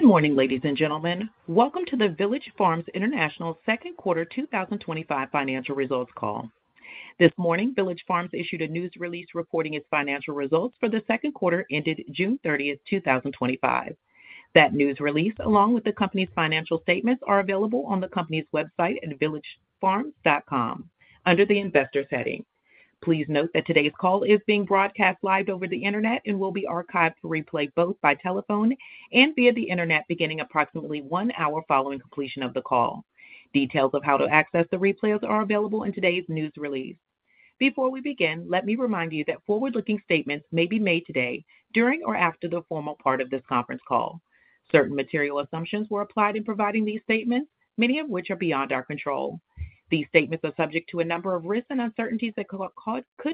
Good morning, ladies and gentlemen. Welcome to the Village Farms International Second Quarter 2025 Financial Results Call. This morning, Village Farms International issued a news release reporting its financial results for the second quarter ended June 30, 2025. That news release, along with the company's financial statements, is available on the company's website at villagefarms.com under the Investors heading. Please note that today's call is being broadcast live over the internet and will be archived to replay both by telephone and via the internet beginning approximately one hour following completion of the call. Details of how to access the replays are available in today's news release. Before we begin, let me remind you that forward-looking statements may be made today, during or after the formal part of this conference call. Certain material assumptions were applied in providing these statements, many of which are beyond our control. These statements are subject to a number of risks and uncertainties that could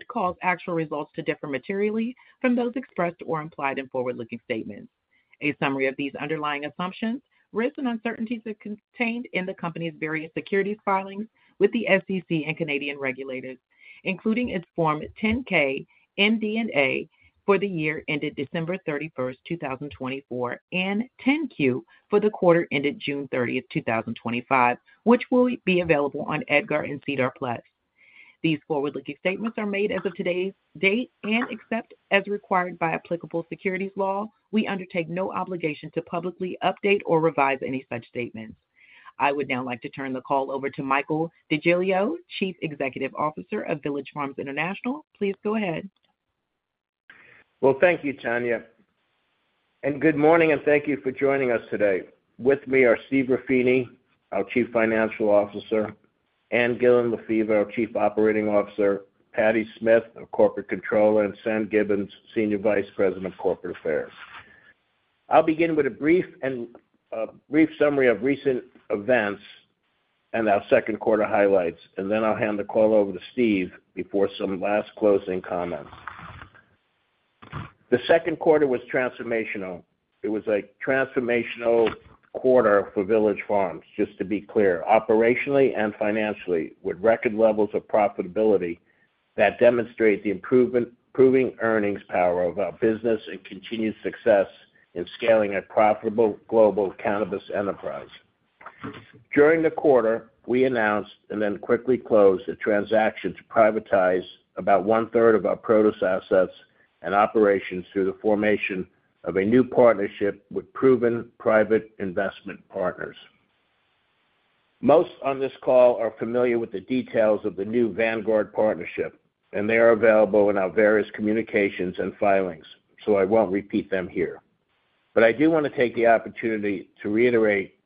cause actual results to differ materially from those expressed or implied in forward-looking statements. A summary of these underlying assumptions, risks, and uncertainties is contained in the company's various securities filings with the SEC and Canadian regulators, including its Form 10-K, MD&A for the year ended December 31, 2024, and 10-Q for the quarter ended June 30, 2025, which will be available on EDGAR and SEDAR plus. These forward-looking statements are made as of today's date and, except as required by applicable securities law, we undertake no obligation to publicly update or revise any such statements. I would now like to turn the call over to Michael DeGiglio, Chief Executive Officer of Village Farms International. Please go ahead. Thank you, Tanya, and good morning, and thank you for joining us today. With me are Steve Ruffini, our Chief Financial Officer; Ann Gillin Lefever, our Chief Operating Officer; Patty Smith, our Corporate Controller; and Sam Gibbons, Senior Vice President of Corporate Affairs. I'll begin with a brief summary of recent events and our second quarter highlights, and then I'll hand the call over to Steve before some last closing comments. The second quarter was transformational. It was a transformational quarter for Village Farms International, just to be clear, operationally and financially, with record levels of profitability that demonstrate the improving earnings power of our business and continued success in scaling a profitable global cannabis enterprise. During the quarter, we announced and then quickly closed a transaction to privatize about one-third of our produce assets and operations through the formation of a new partnership with proven private investment partners. Most on this call are familiar with the details of the new Vanguard partnership, and they are available in our various communications and filings, so I won't repeat them here. I do want to take the opportunity to reiterate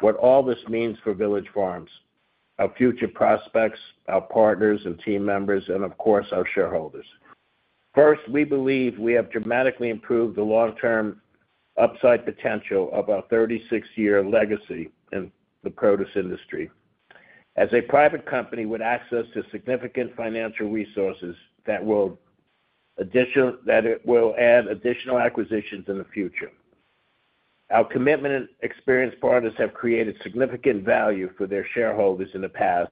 what all this means for Village Farms, our future prospects, our partners and team members, and of course, our shareholders. First, we believe we have dramatically improved the long-term upside potential of our 36-year legacy in the produce industry. As a private company, with access to significant financial resources that will add additional acquisitions in the future, our commitment and experienced partners have created significant value for their shareholders in the past,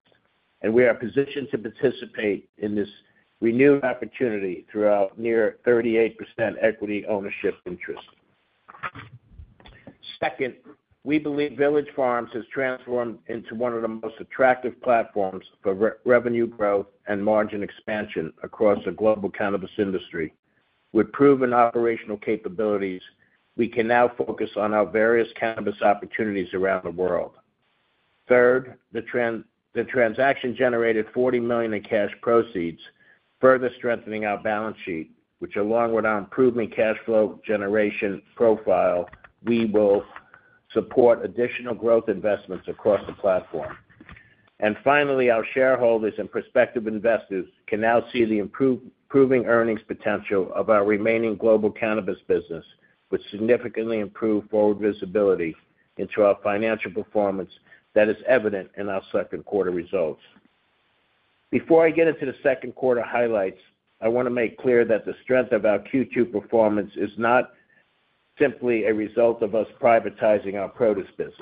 and we are positioned to participate in this renewed opportunity through our near 38% equity ownership interest. Second, we believe Village Farms International has transformed into one of the most attractive platforms for revenue growth and margin expansion across the global cannabis industry. With proven operational capabilities, we can now focus on our various cannabis opportunities around the world. Third, the transaction generated $40 million in cash proceeds, further strengthening our balance sheet, which, along with our improving cash flow generation profile, will support additional growth investments across the platform. Finally, our shareholders and prospective investors can now see the improving earnings potential of our remaining global cannabis business, which significantly improved forward visibility into our financial performance that is evident in our second quarter results. Before I get into the second quarter highlights, I want to make clear that the strength of our Q2 performance is not simply a result of us privatizing our produce business.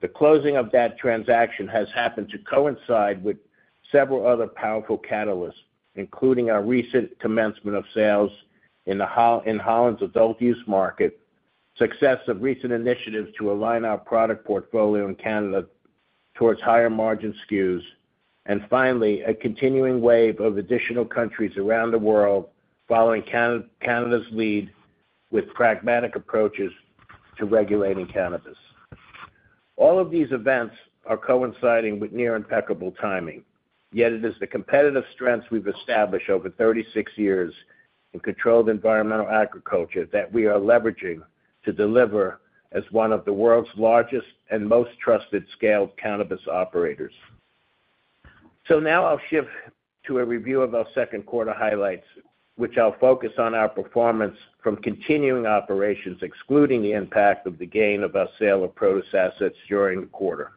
The closing of that transaction has happened to coincide with several other powerful catalysts, including our recent commencement of sales in Holland's adult use market, the success of recent initiatives to align our product portfolio in Canada towards higher margin SKUs, and finally, a continuing wave of additional countries around the world following Canada's lead with pragmatic approaches to regulating cannabis. All of these events are coinciding with near impeccable timing, yet it is the competitive strengths we've established over 36 years in controlled environment agriculture that we are leveraging to deliver as one of the world's largest and most trusted scaled cannabis operators. Now I'll shift to a review of our second quarter highlights, which I'll focus on our performance from continuing operations, excluding the impact of the gain of our sale of produce assets during the quarter.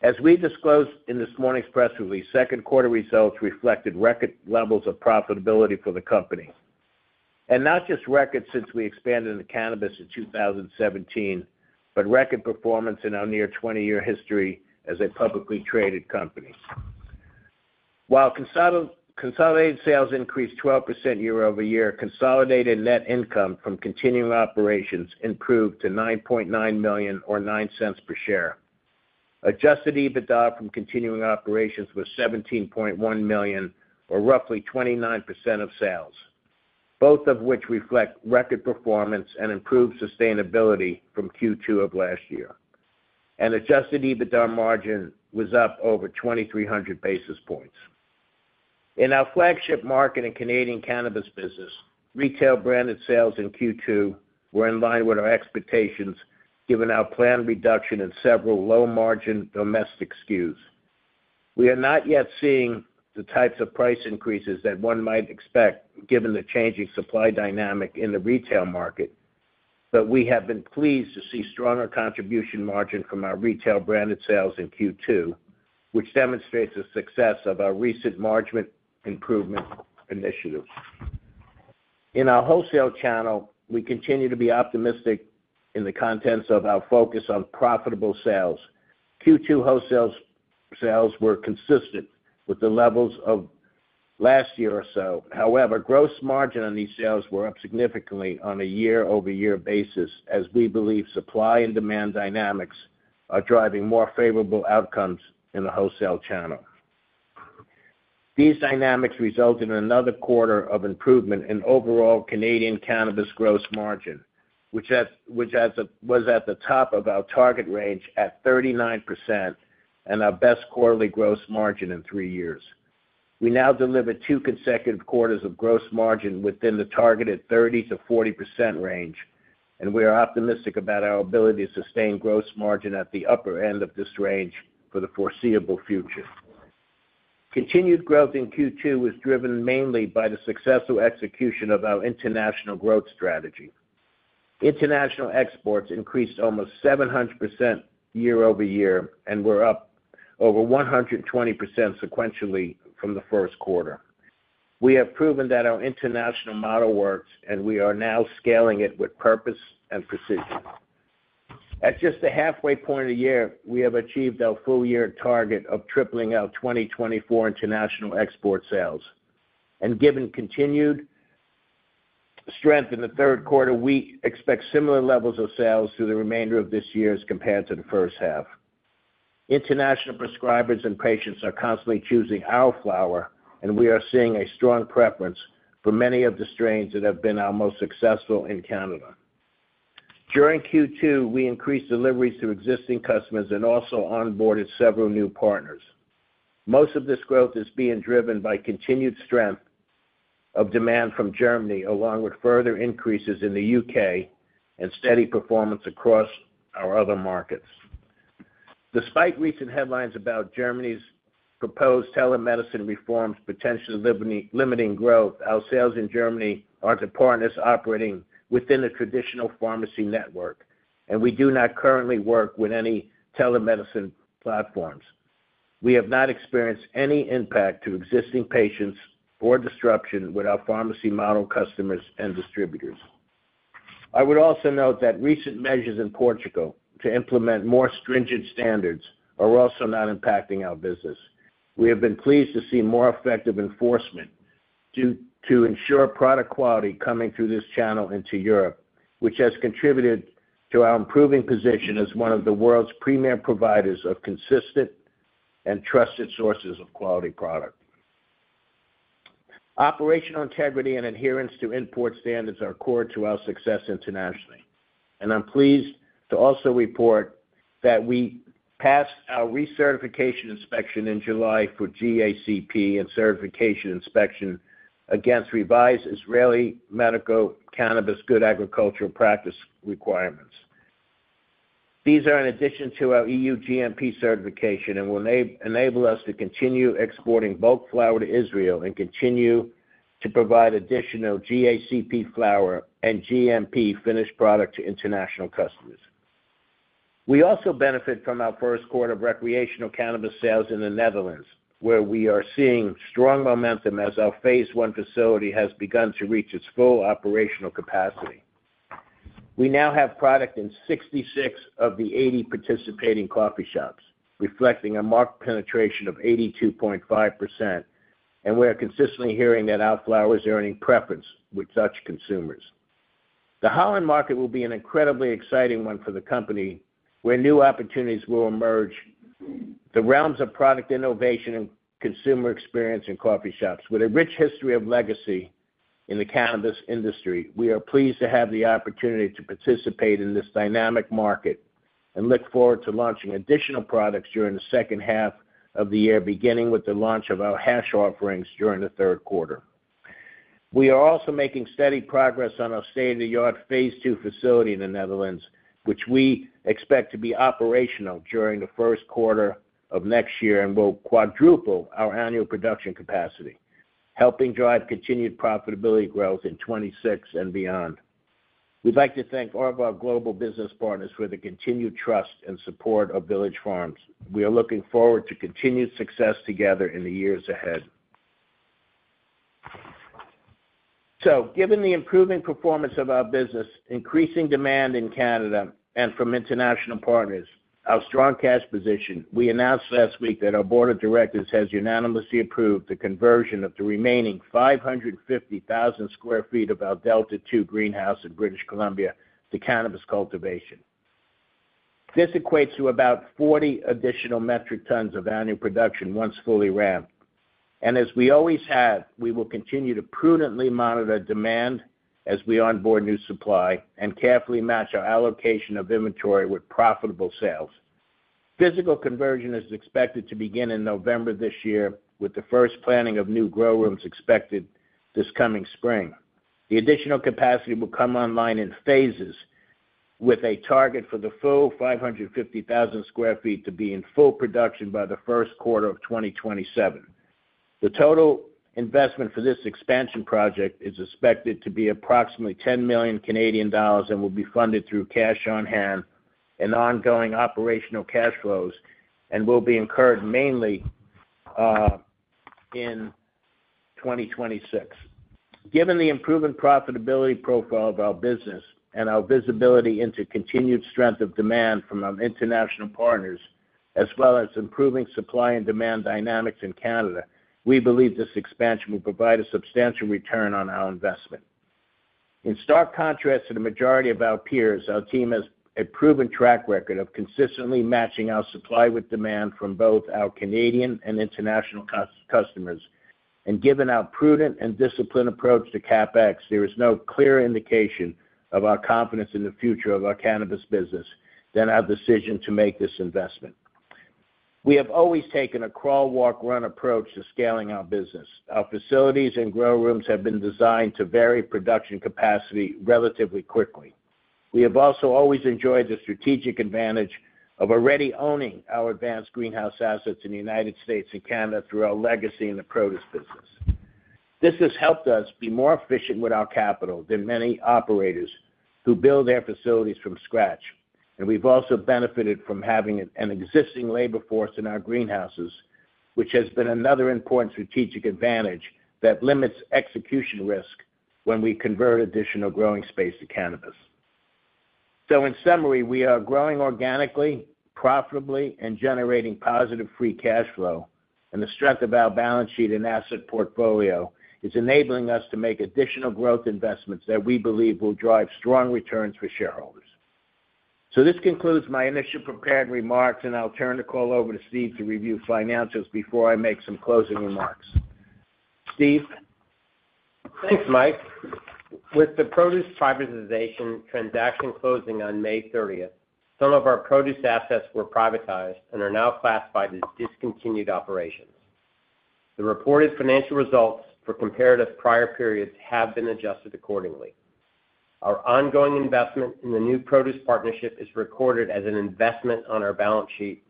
As we disclosed in this morning's press release, second quarter results reflected record levels of profitability for the company, and not just record since we expanded into cannabis in 2017, but record performance in our near 20-year history as a publicly traded company. While consolidated sales increased 12% year-over-year, consolidated net income from continuing operations improved to $9.9 million or $0.09 per share. Adjusted EBITDA from continuing operations was $17.1 million, or roughly 29% of sales, both of which reflect record performance and improved sustainability from Q2 of last year. Adjusted EBITDA margin was up over 2,300 basis points. In our flagship market in Canadian cannabis business, retail branded sales in Q2 were in line with our expectations, given our planned reduction in several low margin domestic SKUs. We are not yet seeing the types of price increases that one might expect, given the changing supply dynamic in the retail market, but we have been pleased to see stronger contribution margin from our retail branded sales in Q2, which demonstrates the success of our recent margin improvement initiative. In our wholesale channel, we continue to be optimistic in the context of our focus on profitable sales. Q2 wholesale sales were consistent with the levels of last year or so. However, gross margin on these sales were up significantly on a year-over-year basis, as we believe supply and demand dynamics are driving more favorable outcomes in the wholesale channel. These dynamics resulted in another quarter of improvement in overall Canadian cannabis gross margin, which was at the top of our target range at 39% and our best quarterly gross margin in three years. We now deliver two consecutive quarters of gross margin within the targeted 30 to 40% range, and we are optimistic about our ability to sustain gross margin at the upper end of this range for the foreseeable future. Continued growth in Q2 was driven mainly by the successful execution of our international growth strategy. International exports increased almost 700% year-over-year and were up over 120% sequentially from the first quarter. We have proven that our international model works, and we are now scaling it with purpose and precision. At just the halfway point of the year, we have achieved our full-year target of tripling our 2024 international export sales. Given continued strength in the third quarter, we expect similar levels of sales through the remainder of this year as compared to the first half. International prescribers and patients are constantly choosing our flower, and we are seeing a strong preference for many of the strains that have been our most successful in Canada. During Q2, we increased deliveries to existing customers and also onboarded several new partners. Most of this growth is being driven by continued strength of demand from Germany, along with further increases in the U.K. and steady performance across our other markets. Despite recent headlines about Germany's proposed telemedicine reforms potentially limiting growth, our sales in Germany are to partners operating within a traditional pharmacy network, and we do not currently work with any telemedicine platforms. We have not experienced any impact to existing patients or disruption with our pharmacy model customers and distributors. I would also note that recent measures in Portugal to implement more stringent standards are also not impacting our business. We have been pleased to see more effective enforcement to ensure product quality coming through this channel into Europe, which has contributed to our improving position as one of the world's premier providers of consistent and trusted sources of quality product. Operational integrity and adherence to import standards are core to our success internationally, and I'm pleased to also report that we passed our recertification inspection in July for GACP and certification inspection against revised Israeli medical cannabis good agricultural practice requirements. These are in addition to our EU GMP certification and will enable us to continue exporting bulk flower to Israel and continue to provide additional GACP flower and GMP finished product to international customers. We also benefit from our first quarter of recreational cannabis sales in the Netherlands, where we are seeing strong momentum as our phase one facility has begun to reach its full operational capacity. We now have product in 66 of the 80 participating coffee shops, reflecting a marked penetration of 82.5%, and we are consistently hearing that our flowers are earning preference with such consumers. The Holland market will be an incredibly exciting one for the company, where new opportunities will emerge in the realms of product innovation and consumer experience in coffee shops. With a rich history of legacy in the cannabis industry, we are pleased to have the opportunity to participate in this dynamic market and look forward to launching additional products during the second half of the year, beginning with the launch of our hash offerings during the third quarter. We are also making steady progress on our state-of-the-art phase two facility in the Netherlands, which we expect to be operational during the first quarter of next year and will quadruple our annual production capacity, helping drive continued profitability growth in 2026 and beyond. We would like to thank all of our global business partners for the continued trust and support of Village Farms. We are looking forward to continued success together in the years ahead. Given the improving performance of our business, increasing demand in Canada, and from international partners, our strong cash position, we announced last week that our board of directors has unanimously approved the conversion of the remaining 550,000 sq ft of our Delta 2 greenhouse in British Columbia to cannabis cultivation. This equates to about 40 additional metric tons of annual production once fully ramped. As we always have, we will continue to prudently monitor demand as we onboard new supply and carefully match our allocation of inventory with profitable sales. Physical conversion is expected to begin in November this year, with the first planting of new grow rooms expected this coming spring. The additional capacity will come online in phases, with a target for the full 550,000 sq ft to be in full production by the first quarter of 2027. The total investment for this expansion project is expected to be approximately $10 million Canadian dollars and will be funded through cash on hand and ongoing operational cash flows and will be incurred mainly in 2026. Given the improving profitability profile of our business and our visibility into continued strength of demand from our international partners, as well as improving supply and demand dynamics in Canada, we believe this expansion will provide a substantial return on our investment. In stark contrast to the majority of our peers, our team has a proven track record of consistently matching our supply with demand from both our Canadian and international customers. Given our prudent and disciplined approach to CapEx, there is no clearer indication of our confidence in the future of our cannabis business than our decision to make this investment. We have always taken a crawl-walk-run approach to scaling our business. Our facilities and grow rooms have been designed to vary production capacity relatively quickly. We have also always enjoyed the strategic advantage of already owning our advanced greenhouse assets in the United States and Canada through our legacy in the produce business. This has helped us be more efficient with our capital than many operators who build their facilities from scratch. We have also benefited from having an existing labor force in our greenhouses, which has been another important strategic advantage that limits execution risk when we convert additional growing space to cannabis. In summary, we are growing organically, profitably, and generating positive free cash flow, and the strength of our balance sheet and asset portfolio is enabling us to make additional growth investments that we believe will drive strong returns for shareholders. This concludes my initial prepared remarks, and I'll turn the call over to Steve to review financials before I make some closing remarks. Steve. Thanks, Mike. With the produce privatization transaction closing on May 30, some of our produce assets were privatized and are now classified as discontinued operations. The reported financial results for comparative prior periods have been adjusted accordingly. Our ongoing investment in the new produce partnership is recorded as an investment on our balance sheet,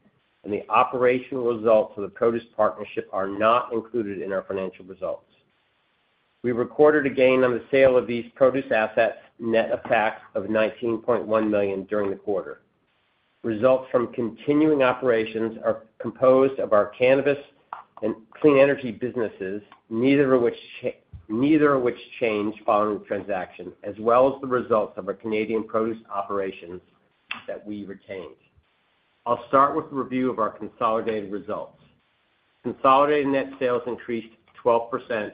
and the operational results of the produce partnership are not included in our financial results. We recorded a gain on the sale of these produce assets, net of tax, of $19.1 million during the quarter. Results from continuing operations are composed of our cannabis and clean energy businesses, neither of which changed following the transaction, as well as the results of our Canadian produce operations that we retained. I'll start with a review of our consolidated results. Consolidated net sales increased 12%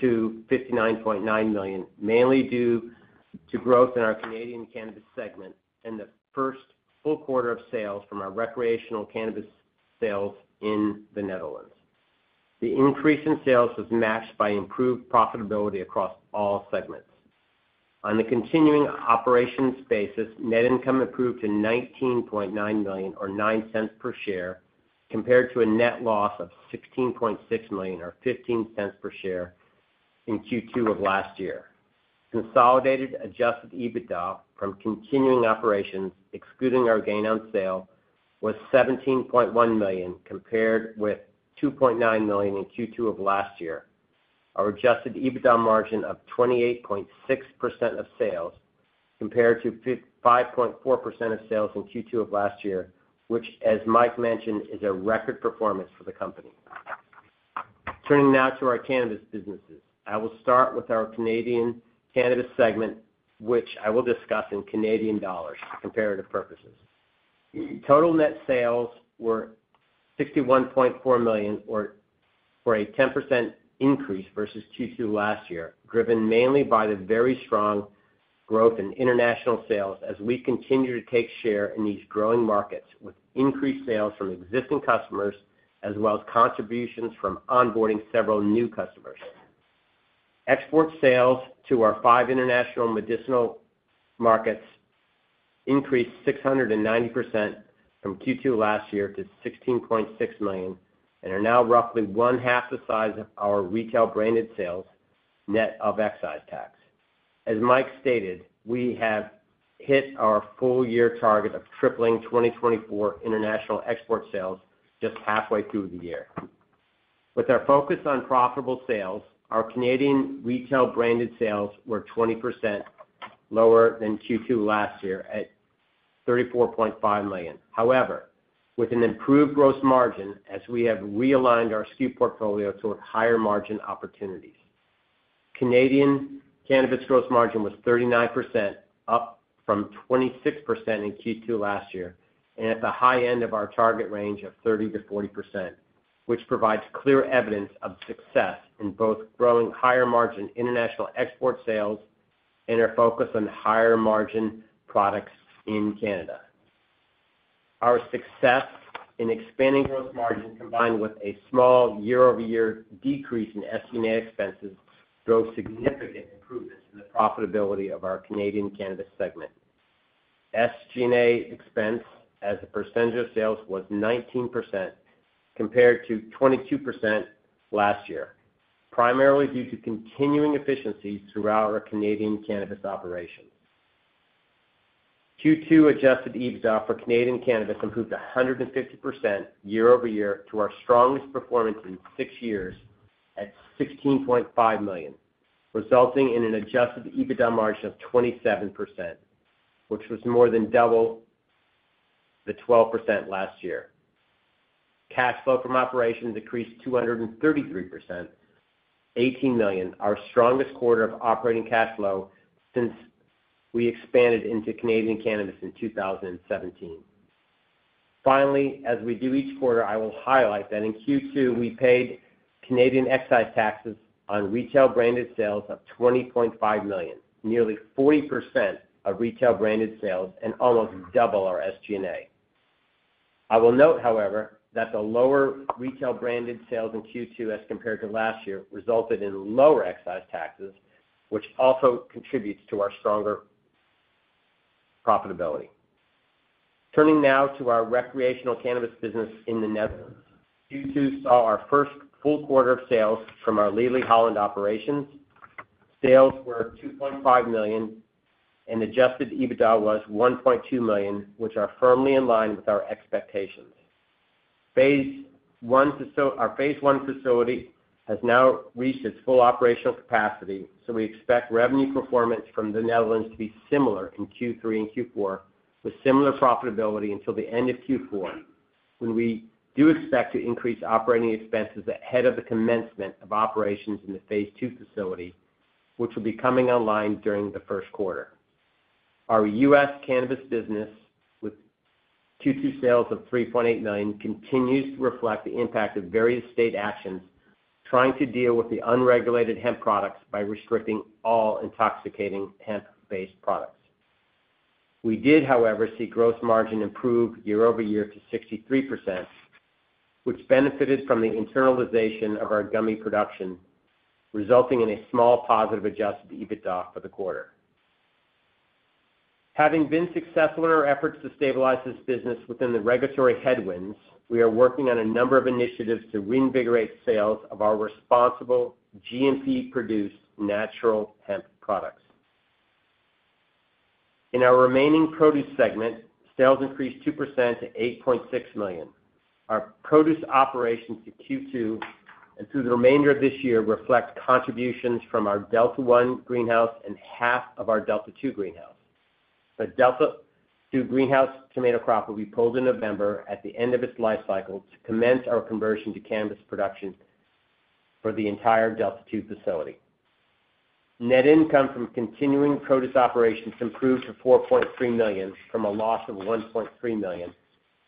to $59.9 million, mainly due to growth in our Canadian cannabis segment and the first full quarter of sales from our recreational cannabis sales in the Netherlands. The increase in sales was matched by improved profitability across all segments. On the continuing operations basis, net income improved to $19.9 million or $0.09 per share, compared to a net loss of $16.6 million or $0.15 per share in Q2 of last year. Consolidated adjusted EBITDA from continuing operations, excluding our gain on sale, was $17.1 million, compared with $2.9 million in Q2 of last year. Our adjusted EBITDA margin of 28.6% of sales, compared to 5.4% of sales in Q2 of last year, which, as Mike mentioned, is a record performance for the company. Turning now to our cannabis businesses, I will start with our Canadian cannabis segment, which I will discuss in Canadian dollars for comparative purposes. Total net sales were CA $61.4 million, or a 10% increase versus Q2 last year, driven mainly by the very strong growth in international sales as we continue to take share in these growing markets, with increased sales from existing customers as well as contributions from onboarding several new customers. Export sales to our five international medicinal markets increased 690% from Q2 last year to CA $16.6 million and are now roughly one half the size of our retail branded sales net of excise tax. As Mike stated, we have hit our full-year target of tripling 2024 international export sales just halfway through the year. With our focus on profitable sales, our Canadian retail branded sales were 20% lower than Q2 last year at $34.5 million. However, with an improved gross margin as we have realigned our SKU portfolio toward higher margin opportunities, Canadian cannabis gross margin was 39%, up from 26% in Q2 last year, and at the high end of our target range of 30%-40%, which provides clear evidence of success in both growing higher margin international export sales and our focus on higher margin products in Canada. Our success in expanding gross margin, combined with a small year-over-year decrease in SG&A expenses, drove significant improvements in the profitability of our Canadian cannabis segment. SG&A expense as a percentage of sales was 19% compared to 22% last year, primarily due to continuing efficiencies throughout our Canadian cannabis operations. Q2 adjusted EBITDA for Canadian cannabis improved 150% year-over-year to our strongest performance in six years at $16.5 million, resulting in an adjusted EBITDA margin of 27%, which was more than double the 12% last year. Cash flow from operations increased 233% to $18 million, our strongest quarter of operating cash flow since we expanded into Canadian cannabis in 2017. Finally, as we do each quarter, I will highlight that in Q2 we paid Canadian excise taxes on retail branded sales of $20.5 million, nearly 40% of retail branded sales and almost double our SG&A. I will note, however, that the lower retail branded sales in Q2 as compared to last year resulted in lower excise taxes, which also contributes to our stronger profitability. Turning now to our recreational cannabis business in the Netherlands, Q2 saw our first full quarter of sales from our Lely Holland operations. Sales were $2.5 million and adjusted EBITDA was $1.2 million, which are firmly in line with our expectations. Phase one facility has now reached its full operational capacity, so we expect revenue performance from the Netherlands to be similar in Q3 and Q4, with similar profitability until the end of Q4, when we do expect to increase operating expenses ahead of the commencement of operations in the phase two facility, which will be coming online during the first quarter. Our U.S. cannabis business, with Q2 sales of $3.8 million, continues to reflect the impact of various state actions trying to deal with the unregulated hemp products by restricting all intoxicating hemp-based products. We did, however, see gross margin improve year-over-year to 63%, which benefited from the internalization of our gummy production, resulting in a small positive adjusted EBITDA for the quarter. Having been successful in our efforts to stabilize this business within the regulatory headwinds, we are working on a number of initiatives to reinvigorate sales of our responsible GMP-produced natural hemp products. In our remaining produce segment, sales increased 2% to $8.6 million. Our produce operations to Q2 and through the remainder of this year reflect contributions from our Delta 1 greenhouse and half of our Delta 2 greenhouse. The Delta 2 greenhouse tomato crop will be pulled in November at the end of its life cycle to commence our conversion to cannabis production for the entire Delta 2 facility. Net income from continuing produce operations improved to $4.3 million from a loss of $1.3 million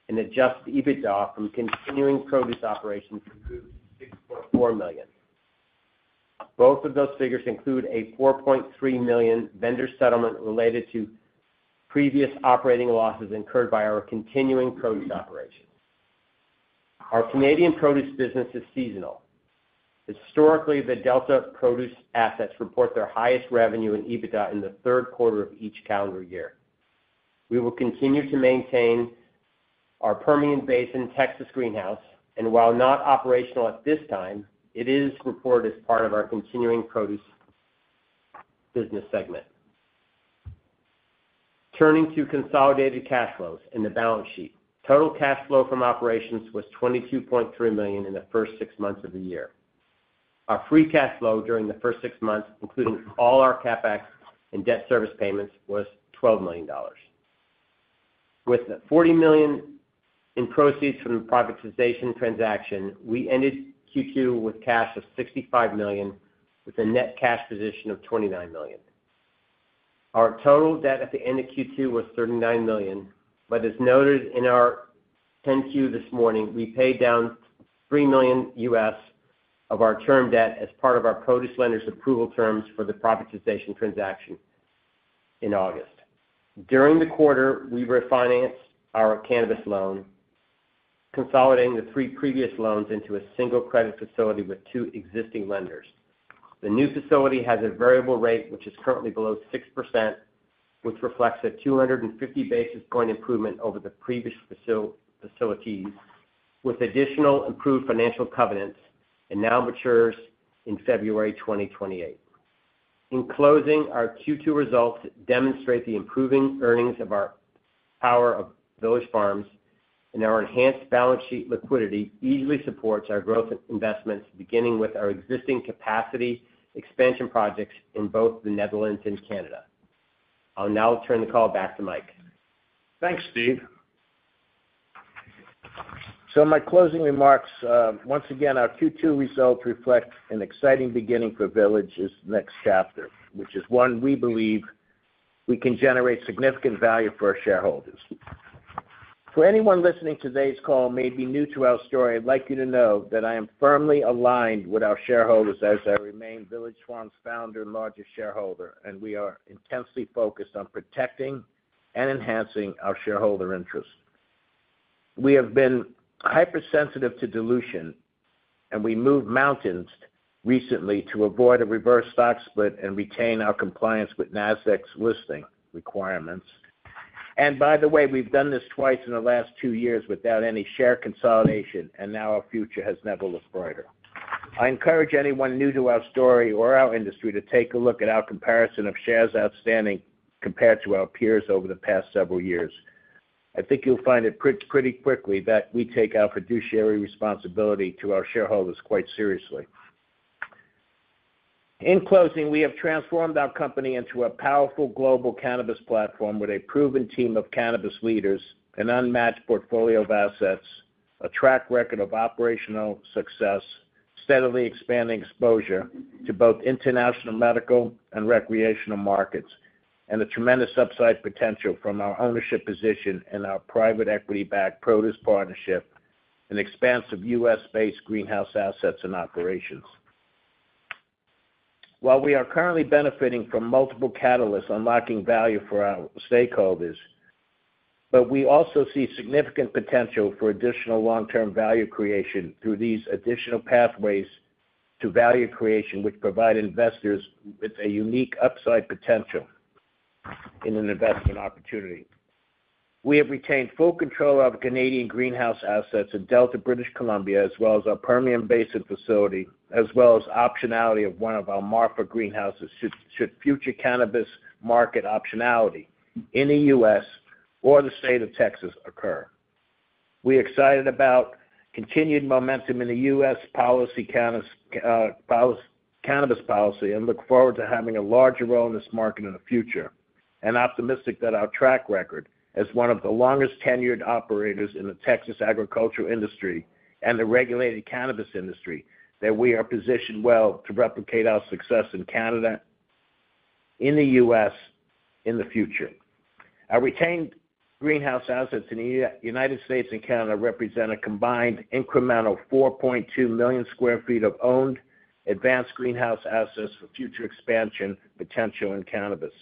and adjusted EBITDA from continuing produce operations to $4 million. Both of those figures include a $4.3 million vendor settlement related to previous operating losses incurred by our continuing produce operations. Our Canadian produce business is seasonal. Historically, the Delta produce assets report their highest revenue in EBITDA in the third quarter of each calendar year. We will continue to maintain our Permian Basin Texas greenhouse, and while not operational at this time, it is reported as part of our continuing produce business segment. Turning to consolidated cash flows and the balance sheet, total cash flow from operations was $22.3 million in the first six months of the year. Our free cash flow during the first six months, including all our CapEx and debt service payments, was $12 million. With $40 million in proceeds from the privatization transaction, we ended Q2 with cash of $65 million, with a net cash position of $29 million. Our total debt at the end of Q2 was $39 million, but as noted in our 10-Q this morning, we paid down $3 million U.S. of our term debt as part of our produce lenders' approval terms for the privatization transaction in August. During the quarter, we refinanced our cannabis loan, consolidating the three previous loans into a single credit facility with two existing lenders. The new facility has a variable rate, which is currently below 6%, which reflects a 250 basis point improvement over the previous facilities, with additional improved financial covenants and now matures in February 2028. In closing, our Q2 results demonstrate the improving earnings of our power of Village Farms, and our enhanced balance sheet liquidity easily supports our growth investments, beginning with our existing capacity expansion projects in both the Netherlands and Canada. I'll now turn the call back to Mike. Thanks, Steve. My closing remarks, once again, our Q2 results reflect an exciting beginning for Village's next chapter, which is one we believe we can generate significant value for our shareholders. For anyone listening to today's call, maybe new to our story, I'd like you to know that I am firmly aligned with our shareholders as I remain Village Farms' founder and largest shareholder, and we are intensely focused on protecting and enhancing our shareholder interests. We have been hypersensitive to dilution, and we moved mountains recently to avoid a reverse stock split and retain our compliance with NASDAQ's listing requirements. By the way, we've done this twice in the last two years without any share consolidation, and now our future has never looked brighter. I encourage anyone new to our story or our industry to take a look at our comparison of shares outstanding compared to our peers over the past several years. I think you'll find it pretty quickly that we take our fiduciary responsibility to our shareholders quite seriously. In closing, we have transformed our company into a powerful global cannabis platform with a proven team of cannabis leaders, an unmatched portfolio of assets, a track record of operational success, steadily expanding exposure to both international medical and recreational markets, and the tremendous upside potential from our ownership position and our private equity-backed produce partnership and expansive U.S. based greenhouse assets and operations. While we are currently benefiting from multiple catalysts unlocking value for our stakeholders, we also see significant potential for additional long-term value creation through these additional pathways to value creation, which provide investors with a unique upside potential in an investment opportunity. We have retained full control of our Canadian greenhouse assets in Delta, British Columbia, as well as our Permian Basin facility, as well as optionality of one of our Marfa greenhouses should future cannabis market optionality in the U.S. or the state of Texas occur. We are excited about continued momentum in the U.S. cannabis policy and look forward to having a larger role in this market in the future and optimistic that our track record as one of the longest tenured operators in the Texas agricultural industry and the regulated cannabis industry, that we are positioned well to replicate our success in Canada, in the U.S., in the future. Our retained greenhouse assets in the United States and Canada represent a combined incremental 4.2 million sq ft of owned advanced greenhouse assets for future expansion potential in cannabis.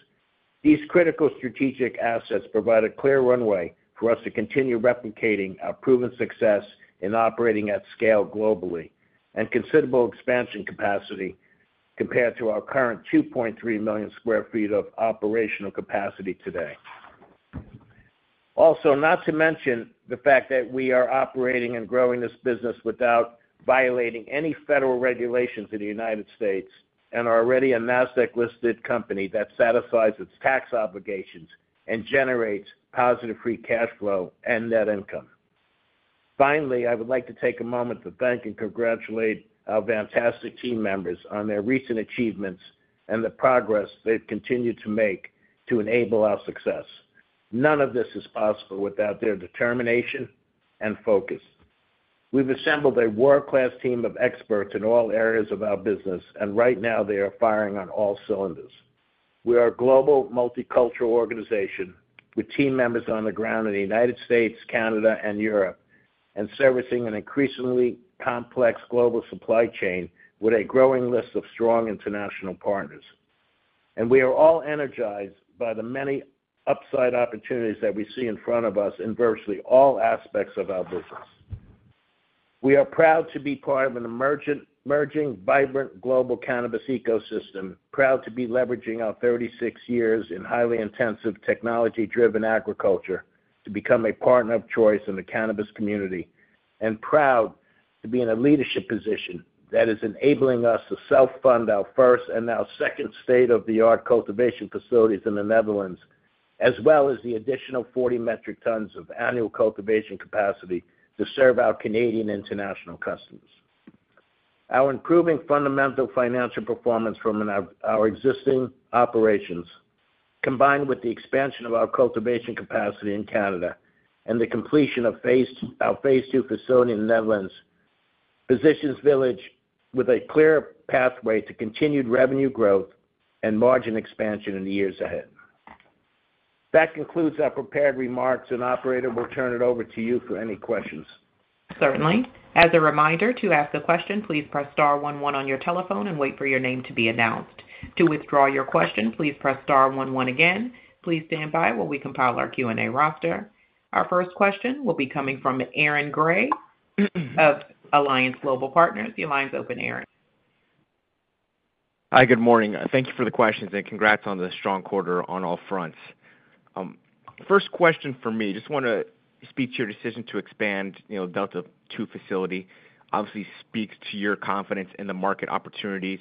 These critical strategic assets provide a clear runway for us to continue replicating our proven success in operating at scale globally and considerable expansion capacity compared to our current 2.3 million sq ft of operational capacity today. Also, not to mention the fact that we are operating and growing this business without violating any federal regulations in the United States and are already a NASDAQ-listed company that satisfies its tax obligations and generates positive free cash flow and net income. Finally, I would like to take a moment to thank and congratulate our fantastic team members on their recent achievements and the progress they've continued to make to enable our success. None of this is possible without their determination and focus. We've assembled a world-class team of experts in all areas of our business, and right now they are firing on all cylinders. We are a global multicultural organization with team members on the ground in the United States, Canada, and Europe, servicing an increasingly complex global supply chain with a growing list of strong international partners. We are all energized by the many upside opportunities that we see in front of us in virtually all aspects of our business. We are proud to be part of an emerging, vibrant global cannabis ecosystem, proud to be leveraging our 36 years in highly intensive technology-driven agriculture to become a partner of choice in the cannabis community, and proud to be in a leadership position that is enabling us to self-fund our first and now second state-of-the-art cultivation facilities in the Netherlands, as well as the additional 40 metric tons of annual cultivation capacity to serve our Canadian international customers. Our improving fundamental financial performance from our existing operations, combined with the expansion of our cultivation capacity in Canada and the completion of our phase two facility in the Netherlands, positions Village with a clear pathway to continued revenue growth and margin expansion in the years ahead. That concludes our prepared remarks, and operator, we'll turn it over to you for any questions. Certainly. As a reminder, to ask a question, please press star one-one on your telephone and wait for your name to be announced. To withdraw your question, please press star one-one again. Please stand by while we compile our Q&A roster. Our first question will be coming from Aaron Grey of Alliance Global Partners. The Alliance opened the airing. Hi, good morning. Thank you for the questions and congrats on the strong quarter on all fronts. First question for me, I just want to speak to your decision to expand the Delta 2 facility. Obviously, it speaks to your confidence in the market opportunities.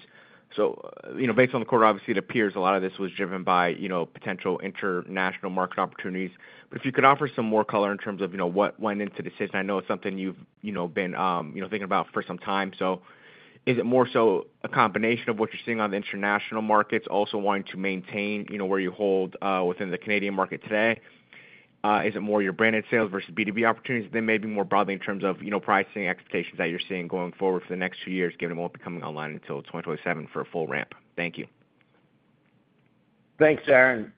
Based on the quarter, it appears a lot of this was driven by potential international market opportunities. If you could offer some more color in terms of what went into the decision, I know it's something you've been thinking about for some time. Is it more so a combination of what you're seeing on the international markets, also wanting to maintain where you hold within the Canadian market today? Is it more your branded sales versus B2B opportunities? Maybe more broadly, in terms of pricing expectations that you're seeing going forward for the next two years, given what will be coming online until 2027 for a full ramp. Thank you. Thanks, Aaron.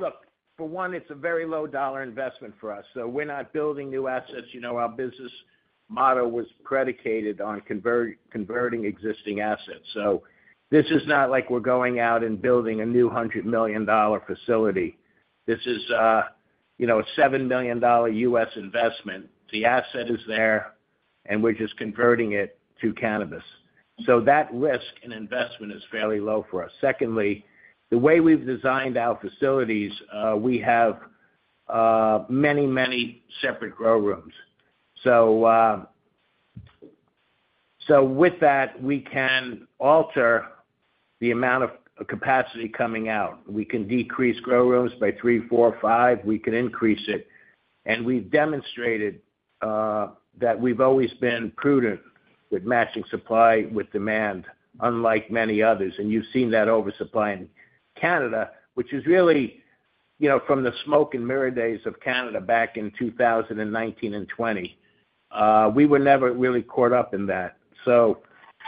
Look, for one, it's a very low dollar investment for us. We're not building new assets. Our business model was predicated on converting existing assets. This is not like we're going out and building a new $100 million facility. This is a $7 million US investment. The asset is there, and we're just converting it to cannabis. That risk and investment is fairly low for us. Secondly, the way we've designed our facilities, we have many, many separate grow rooms. With that, we can alter the amount of capacity coming out. We can decrease grow rooms by three, four, five. We can increase it. We've demonstrated that we've always been prudent with matching supply with demand, unlike many others. You've seen that oversupply in Canada, which is really from the smoke and mirror days of Canada back in 2019 and 2020. We were never really caught up in that.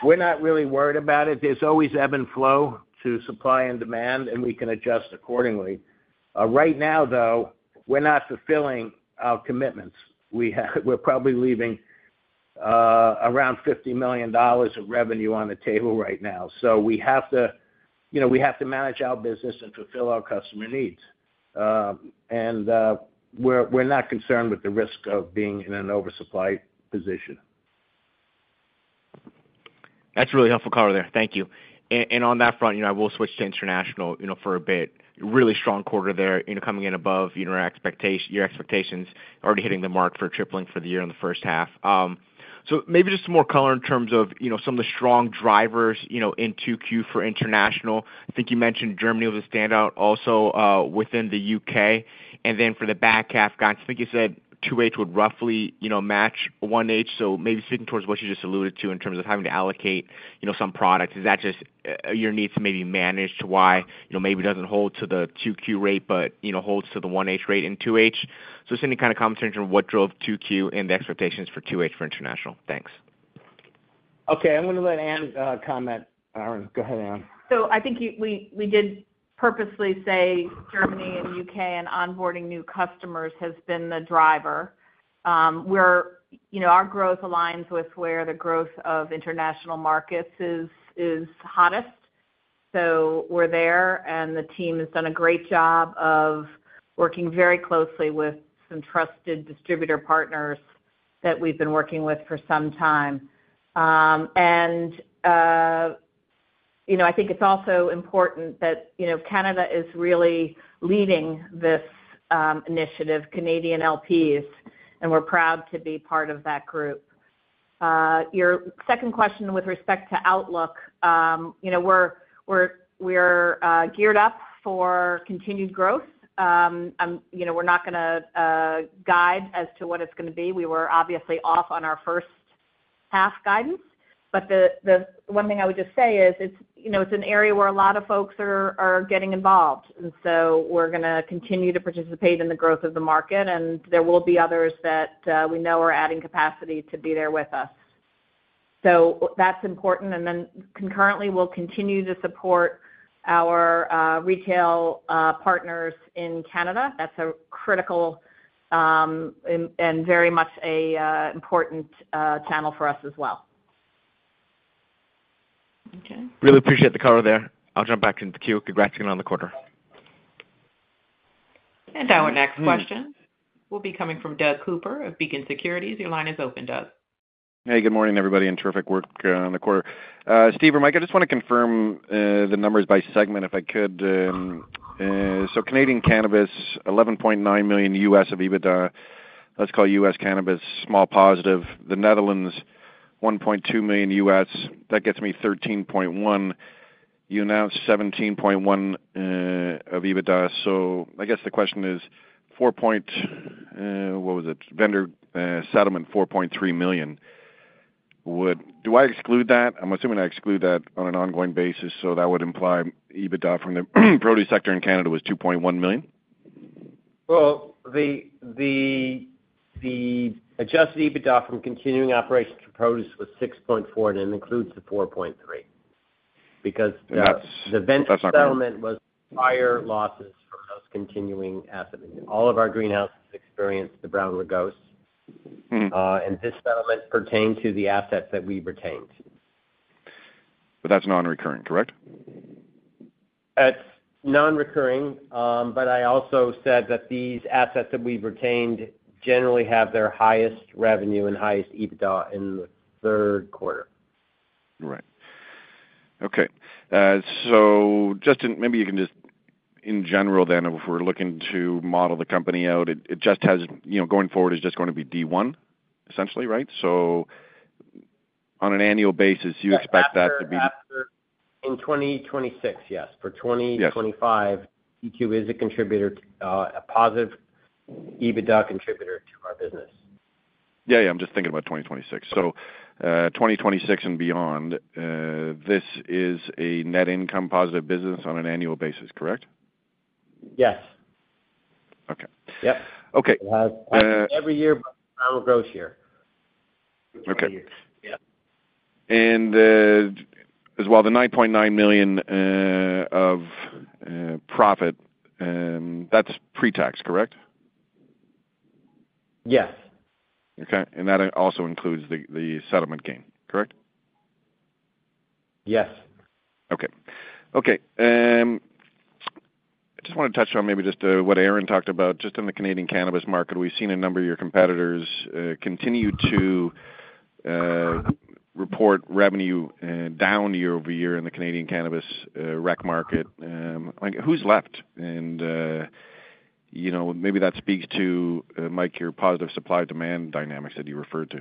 We're not really worried about it. There's always ebb and flow to supply and demand, and we can adjust accordingly. Right now, though, we're not fulfilling our commitments. We're probably leaving around $50 million of revenue on the table right now. We have to manage our business and fulfill our customer needs. We're not concerned with the risk of being in an oversupply position. That's a really helpful color there. Thank you. On that front, I will switch to international for a bit. Really strong quarter there, coming in above our expectations, your expectations, already hitting the mark for tripling for the year in the first half. Maybe just some more color in terms of some of the strong drivers in 2Q for international. I think you mentioned Germany was a standout also within the U.K. For the back half, I think you said 2H would roughly match 1H. Maybe speaking towards what you just alluded to in terms of having to allocate some products, is that just your needs maybe managed to why it doesn't hold to the 2Q rate, but holds to the 1H rate in 2H. Any kind of commentary on what drove 2Q and the expectations for 2H for international. Thanks. Okay, I'm going to let Ann comment. Aaron, go ahead, Ann. I think we did purposely say Germany and U.K., and onboarding new customers has been the driver. Our growth aligns with where the growth of international markets is hottest. We're there, and the team has done a great job of working very closely with some trusted distributor partners that we've been working with for some time. I think it's also important that Canada is really leading this initiative, Canadian LPs, and we're proud to be part of that group. Your second question with respect to outlook, we're geared up for continued growth. I'm not going to guide as to what it's going to be. We were obviously off on our first half guidance. The one thing I would just say is it's an area where a lot of folks are getting involved. We're going to continue to participate in the growth of the market, and there will be others that we know are adding capacity to be there with us. That's important. Concurrently, we'll continue to support our retail partners in Canada. That's a critical and very much an important channel for us as well. Okay, really appreciate the color there. I'll jump back into Q. Congrats again on the quarter. Our next question will be coming from Doug Cooper of Beacon Securities. Your line is open, Doug. Hey, good morning, everybody, and terrific work on the quarter. Steve, Mike, I just want to confirm the numbers by segment if I could. Canadian cannabis, $11.9 million U.S. of EBITDA. Let's call U.S. cannabis small positive. The Netherlands, $1.2 million U.S. That gets me $13.1 million. You announced $17.1 million of EBITDA. I guess the question is, $4.0 million, what was it, vendor settlement $4.3 million. Do I exclude that? I'm assuming I exclude that on an ongoing basis. That would imply EBITDA from the produce sector in Canada was $2.1 million. The adjusted EBITDA from continuing operations to produce was $6.4 million, and it includes the $4.3 million because the vendor settlement was higher losses from those continuing assets. All of our greenhouses experienced the Brown regos, and this settlement pertained to the assets that we retained. That's non-recurring, correct? It's non-recurring, but I also said that these assets that we've retained generally have their highest revenue and highest EBITDA in the third quarter. Right. Okay. Just in, maybe you can just, in general, then if we're looking to model the company out, it just has, you know, going forward, it's just going to be D1 essentially, right? On an annual basis, you expect that to be. In 2026, yes. For 2025, EQ is a contributor, a positive EBITDA contributor to our business. I'm just thinking about 2026. 2026 and beyond, this is a net income positive business on an annual basis, correct? Yes. Okay. Every year, our gross year. Okay. The $9.9 million of profit, that's pre-tax, correct? Yes. Okay. That also includes the settlement gain, correct? Yes. Okay. I just want to touch on maybe just what Aaron talked about in the Canadian cannabis market. We've seen a number of your competitors continue to report revenue down year-over-year in the Canadian cannabis rec market. I think who's left? Maybe that speaks to, Mike, your positive supply-demand dynamics that you referred to.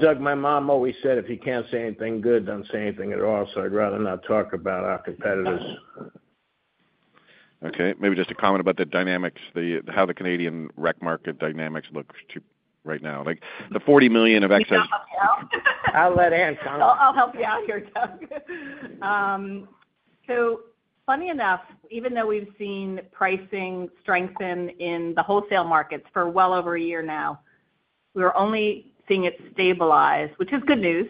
Doug, my mom always said, if you can't say anything good, don't say anything at all. I'd rather not talk about our competitors. Okay. Maybe just a comment about the dynamics, how the Canadian rec market dynamics look right now, like the $40 million of excess. I'll let Ann comment. I'll help you out here, Doug. Funny enough, even though we've seen pricing strengthen in the wholesale markets for well over a year now, we're only seeing it stabilize, which is good news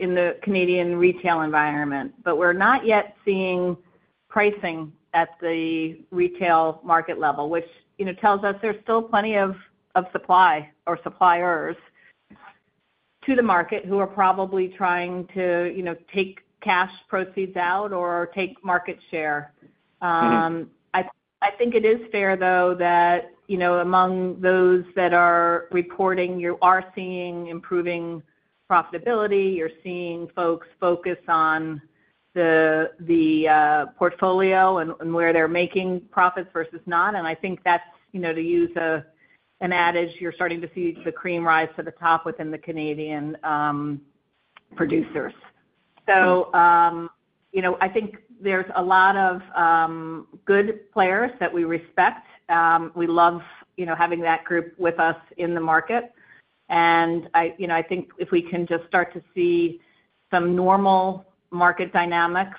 in the Canadian retail environment. We're not yet seeing pricing at the retail market level, which tells us there's still plenty of supply or suppliers to the market who are probably trying to take cash proceeds out or take market share. I think it is fair, though, that among those that are reporting, you are seeing improving profitability. You're seeing folks focus on the portfolio and where they're making profits versus not. I think that's, to use an adage, you're starting to see the cream rise to the top within the Canadian producers. I think there's a lot of good players that we respect. We love having that group with us in the market. I think if we can just start to see some normal market dynamics,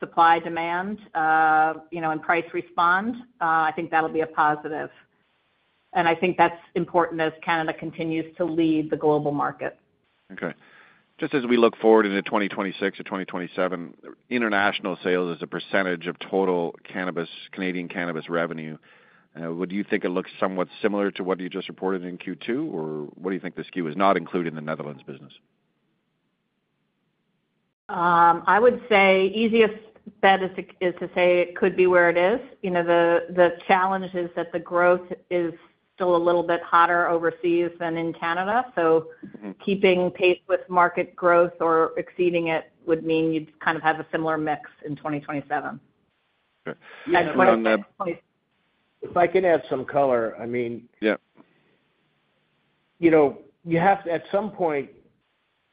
supply-demand, and price respond, I think that'll be a positive. I think that's important as Canada continues to lead the global market. Okay. Just as we look forward into 2026 or 2027, international sales as a % of total cannabis, Canadian cannabis revenue, would you think it looks somewhat similar to what you just reported in Q2, or what do you think the SKU is not including the Netherlands business? I would say easiest bet is to say it could be where it is. The challenge is that the growth is still a little bit hotter overseas than in Canada. Keeping pace with market growth or exceeding it would mean you'd kind of have a similar mix in 2027. If I can add some color, you have to, at some point,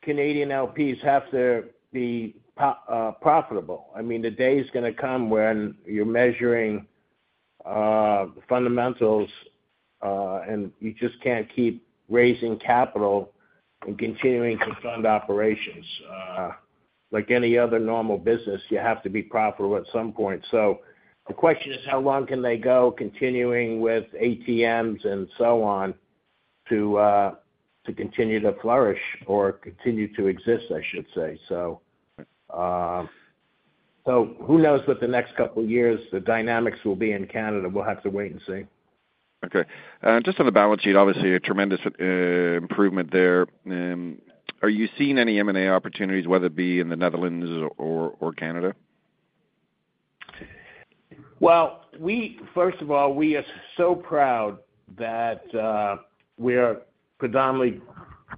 Canadian LPs have to be profitable. The day is going to come when you're measuring fundamentals, and you just can't keep raising capital and continuing to fund operations. Like any other normal business, you have to be profitable at some point. The question is how long can they go continuing with ATMs and so on to continue to flourish or continue to exist, I should say. Who knows what the next couple of years the dynamics will be in Canada? We'll have to wait and see. Okay. Just on the balance sheet, obviously a tremendous improvement there. Are you seeing any M&A opportunities, whether it be in the Netherlands or Canada? First of all, we are so proud that we are predominantly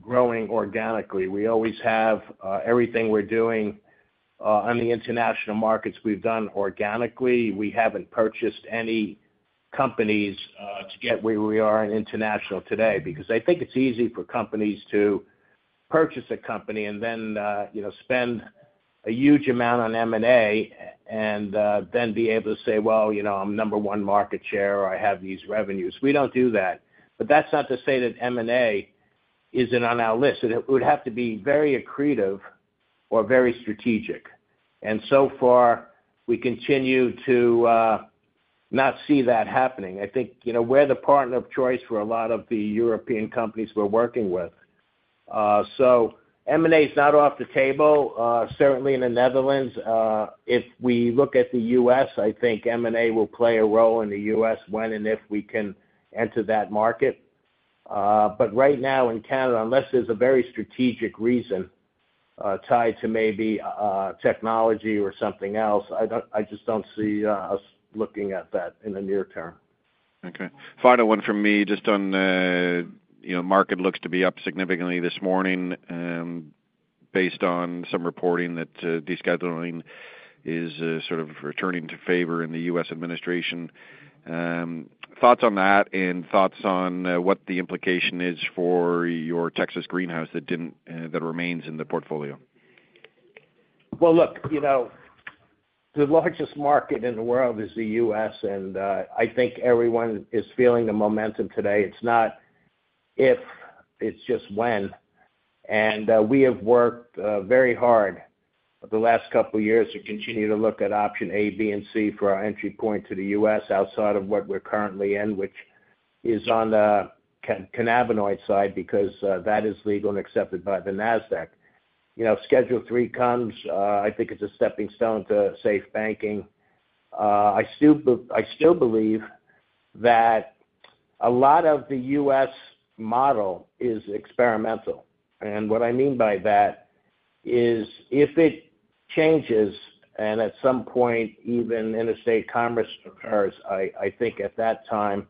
growing organically. We always have everything we're doing on the international markets we've done organically. We haven't purchased any companies to get where we are in international today because I think it's easy for companies to purchase a company and then, you know, spend a huge amount on M&A and then be able to say, well, you know, I'm number one market share or I have these revenues. We don't do that. That's not to say that M&A isn't on our list. It would have to be very accretive or very strategic. So far, we continue to not see that happening. I think we're the partner of choice for a lot of the European companies we're working with. M&A is not off the table, certainly in the Netherlands. If we look at the U.S., I think M&A will play a role in the U.S. when and if we can enter that market. Right now in Canada, unless there's a very strategic reason tied to maybe technology or something else, I just don't see us looking at that in the near term. Okay. Final one from me just on, you know, the market looks to be up significantly this morning based on some reporting that de-scheduling is sort of returning to favor in the U.S. administration. Thoughts on that and thoughts on what the implication is for your Texas greenhouse that remains in the portfolio? The largest market in the world is the U.S., and I think everyone is feeling the momentum today. It's not if, it's just when. We have worked very hard the last couple of years to continue to look at option A, B, and C for our entry point to the U.S. outside of what we're currently in, which is on the cannabinoid side because that is legal and accepted by the NASDAQ. If Schedule III comes, I think it's a stepping stone to safe banking. I still believe that a lot of the U.S. model is experimental. What I mean by that is if it changes and at some point even interstate commerce occurs, I think at that time,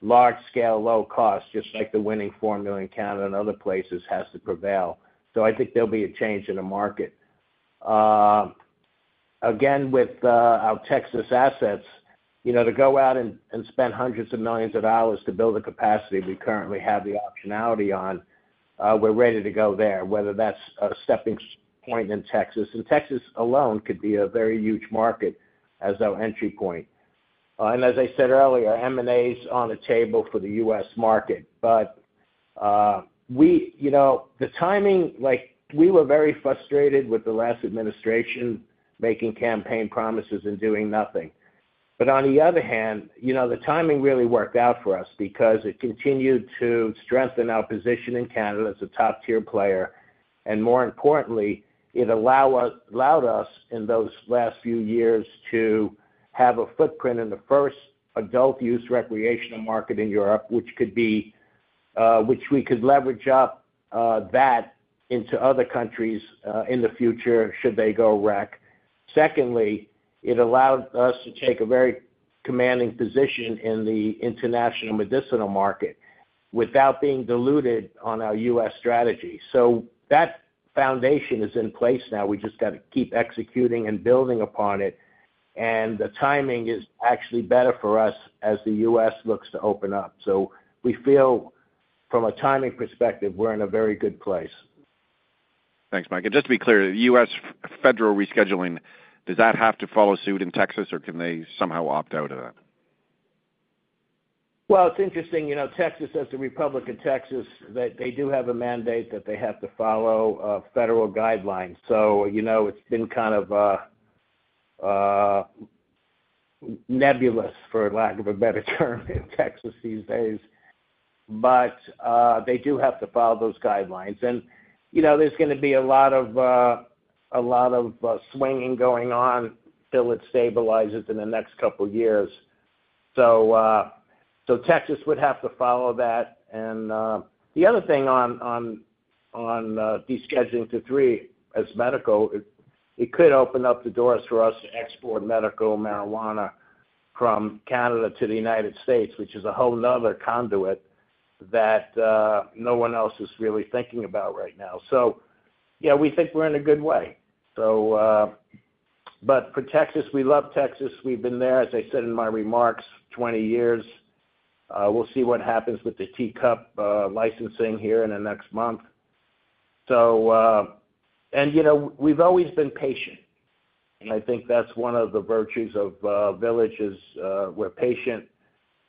large scale, low cost, just like the winning formula in Canada and other places, has to prevail. I think there'll be a change in the market. Again, with our Texas assets, to go out and spend hundreds of millions of dollars to build the capacity we currently have the optionality on, we're ready to go there, whether that's a stepping point in Texas. Texas alone could be a very huge market as our entry point. As I said earlier, M&A is on the table for the U.S. market. The timing, like we were very frustrated with the last administration making campaign promises and doing nothing. On the other hand, the timing really worked out for us because it continued to strengthen our position in Canada as a top-tier player. More importantly, it allowed us in those last few years to have a footprint in the first adult use recreational market in Europe, which we could leverage up that into other countries in the future should they go rec. Secondly, it allowed us to take a very commanding position in the international medicinal market without being diluted on our U.S. strategy. That foundation is in place now. We just got to keep executing and building upon it. The timing is actually better for us as the U.S. looks to open up. We feel from a timing perspective, we're in a very good place. Thanks, Mike. Just to be clear, the U.S. federal rescheduling, does that have to follow suit in Texas or can they somehow opt out of that? It's interesting, you know, Texas has the Republic of Texas, that they do have a mandate that they have to follow federal guidelines. It's been kind of nebulous, for lack of a better term, in Texas these days. They do have to follow those guidelines. There's going to be a lot of swinging going on till it stabilizes in the next couple of years. Texas would have to follow that. The other thing on de-scheduling to three as medical, it could open up the doors for us to export medical marijuana from Canada to the United States which is a whole other conduit that no one else is really thinking about right now. We think we're in a good way. For Texas, we love Texas. We've been there, as I said in my remarks, 20 years. We'll see what happens with the T-cup licensing here in the next month. We've always been patient. I think that's one of the virtues of Village is we're patient.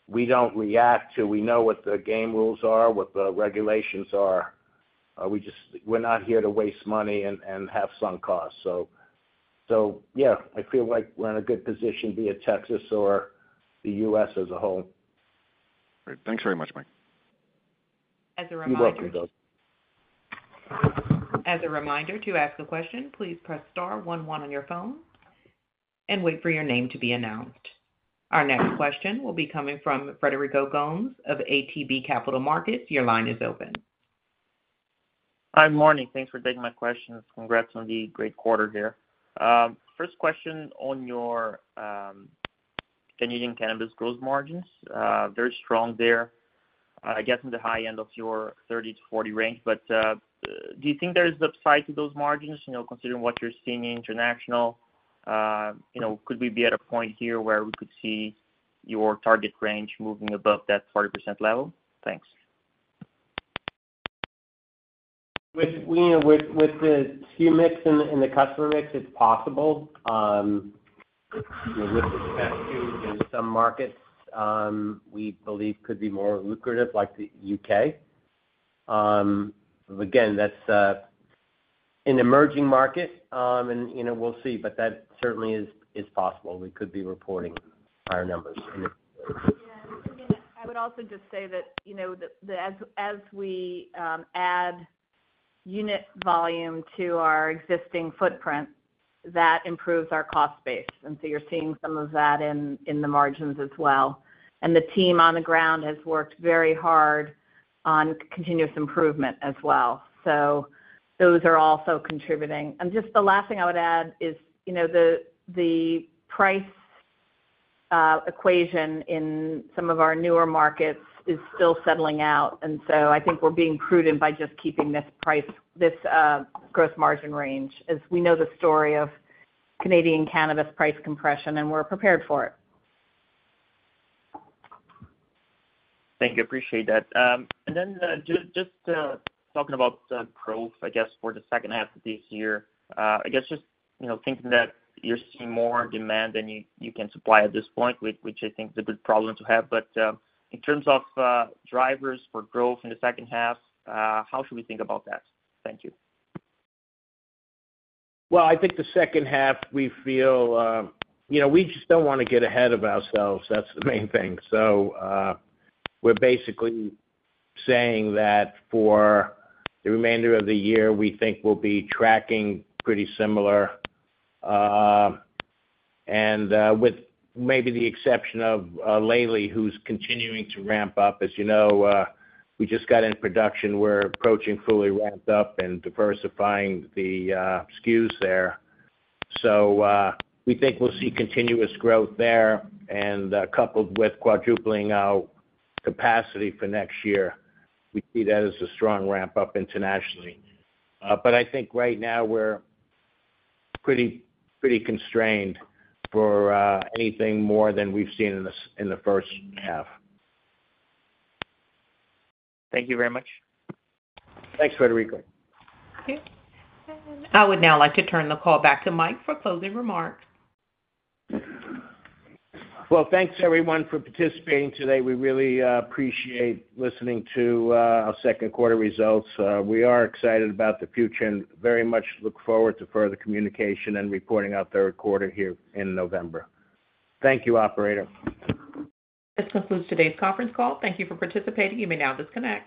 We don't react to, we know what the game rules are, what the regulations are. We're not here to waste money and have sunk costs. I feel like we're in a good position via Texas or the U.S. as a whole. Thanks very much, Mike. As a reminder, to ask a question, please press star one-one on your phone and wait for your name to be announced. Our next question will be coming from Frederico Gomes of ATB Capital Markets. Your line is open. Hi, good morning. Thanks for taking my questions. Congrats on the great quarter here. First question on your Canadian cannabis gross margins, very strong there. I guess in the high end of your 30%-40% range, but do you think there is upside to those margins? You know, considering what you're seeing in international, you know, could we be at a point here where we could see your target range moving above that 40% level? Thanks. With the SKU mix and the customer mix, it's possible. In some markets, we believe could be more lucrative, like the U.K. Again, that's an emerging market, and you know, we'll see, but that certainly is possible. We could be reporting higher numbers in the future. Yeah. I would also just say that, you know, as we add unit volume to our existing footprint, that improves our cost base. You're seeing some of that in the margins as well. The team on the ground has worked very hard on continuous improvement as well. Those are also contributing. Just the last thing I would add is, you know, the price equation in some of our newer markets is still settling out. I think we're being prudent by just keeping this price, this gross margin range, as we know the story of Canadian cannabis price compression, and we're prepared for it. Thank you. I appreciate that. Just talking about growth for the second half of this year, thinking that you're seeing more demand than you can supply at this point, which I think is a good problem to have. In terms of drivers for growth in the second half, how should we think about that? Thank you. I think the second half, we feel, you know, we just don't want to get ahead of ourselves. That's the main thing. We're basically saying that for the remainder of the year, we think we'll be tracking pretty similar, with maybe the exception of Lely, who's continuing to ramp up. As you know, we just got in production. We're approaching fully ramped up and diversifying the SKUs there. We think we'll see continuous growth there, and coupled with quadrupling our capacity for next year, we see that as a strong ramp up internationally. I think right now we're pretty, pretty constrained for anything more than we've seen in the first half. Thank you very much. Thanks, Frederico. Okay. I would now like to turn the call back to Mike for closing remarks. Thank you everyone for participating today. We really appreciate listening to our second quarter results. We are excited about the future and very much look forward to further communication and reporting out the third quarter here in November. Thank you, operator. This concludes today's conference call. Thank you for participating. You may now disconnect.